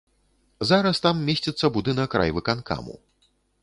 Зараз там месціцца будынак райвыканкаму.